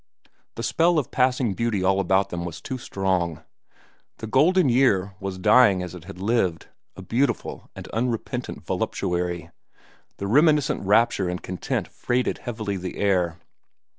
The spell of passing beauty all about them was too strong. The golden year was dying as it had lived, a beautiful and unrepentant voluptuary, and reminiscent rapture and content freighted heavily the air.